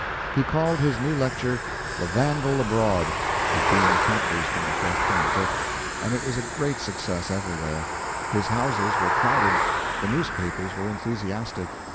He called his new lecture "The Vandal Abroad," it being chapters from the forthcoming book, and it was a great success everywhere. His houses were crowded; the newspapers were enthusiastic.